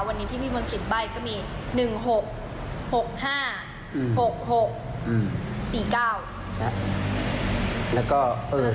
วันนี้พี่มนต์สิทธิ์ใบก็มี๑๖๖๕๖๖๔๙